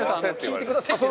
「聞いてください」って。